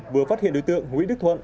vừa phát hiện đối tượng nguyễn đức thuận